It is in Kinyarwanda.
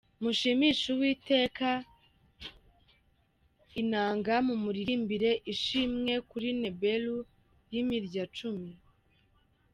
Mushimishe Uwiteka inanga, Mumuririmbirire ishimwe kuri nebelu y’imirya cumi.